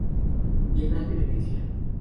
Bienal de Venecia.